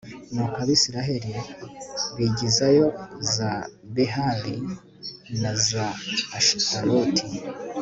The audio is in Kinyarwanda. nuko abayisraheli bigizayo za behali na za ashitaroti